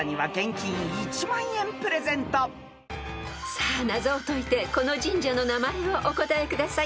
［さあ謎を解いてこの神社の名前をお答えください］